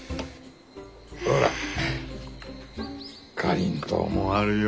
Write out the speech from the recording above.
ほらかりんとうもあるよ。